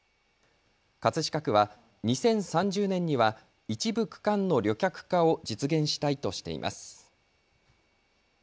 葛飾区は２０３０年には一部区間の旅客化を実現したいとしています。